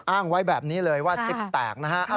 อ้างไว้แบบนี้เลยว่าจิ๊บแตกนะฮะ